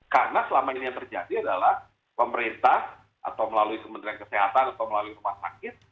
karena selama ini yang terjadi adalah pemerintah atau melalui kementerian kesehatan atau melalui rumah sakit